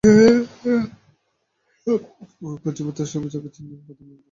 কচিপাতা সবুজ, আকাশি নীল, বাঙ্গি, বাদামি রংগুলো চোখের সাজে প্রশান্তি নিয়ে আসবে।